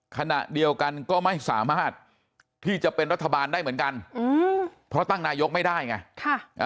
ขณะเดียวกันก็ไม่สามารถที่จะเป็นรัฐบาลได้เหมือนกันอืมเพราะตั้งนายกไม่ได้ไง